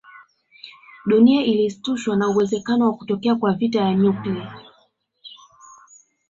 Dunia ilishtushwa na uwezekano wa kutokea vita vya nyuklia